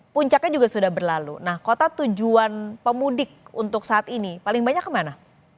puncaknya juga sudah berlalu nah kota tujuan pemudik untuk saat ini paling banyak kemana